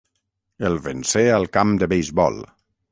El vencé al camp de beisbol.